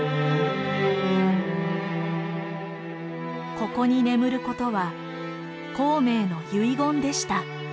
ここに眠ることは孔明の遺言でした。